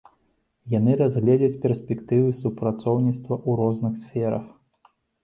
Яны разгледзяць перспектывы супрацоўніцтва ў розных сферах.